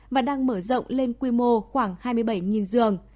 và đang mở rộng lên quy mô khoảng hai mươi bảy giường